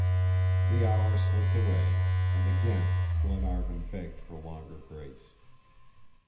The hour slipped away, and again Glenarvan begged for longer grace.